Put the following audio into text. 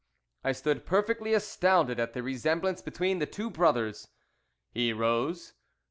I stood perfectly astounded at the resemblance between the two brothers. He rose.